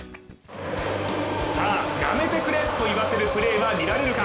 さあ、やめてくれと言わせるプレーは見られるか。